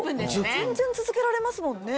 全然続けられますもんね。